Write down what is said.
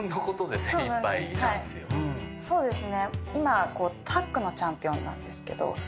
そうですね。